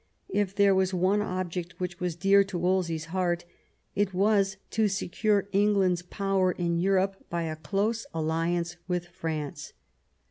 K there was one object which was dear to Wolse/s hearty it was to secure England's power in Europe by a close alliance with France.